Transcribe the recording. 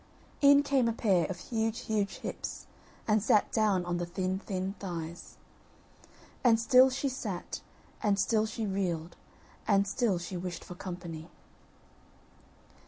In came a pair of huge huge hips, and sat down on the thin thin thighs; And still she sat, and still she reeled, and still she wished for company.